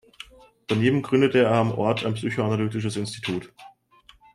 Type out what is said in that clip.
Daneben gründete er am Ort ein psychoanalytisches Institut.